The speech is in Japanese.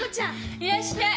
いらっしゃい。